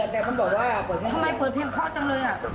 แล้วแต่เป็นไปบอกว่า